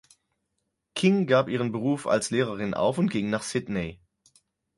King gab ihren Beruf als Lehrerin auf und ging nach Sydney.